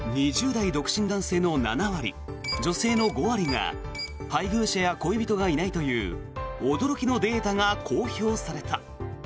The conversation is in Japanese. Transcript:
２０代独身男性の７割女性の５割が配偶者や恋人がいないという驚きのデータが公表された。